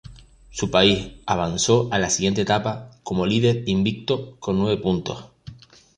Su país avanzó a la siguiente etapa como líder invicto con nueve puntos.